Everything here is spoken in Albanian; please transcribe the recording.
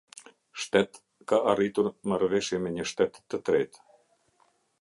Shtet ka arritur marrëveshje me një Shtet të tretë.